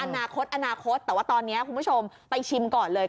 อนาคตอนาคตแต่ว่าตอนนี้คุณผู้ชมไปชิมก่อนเลย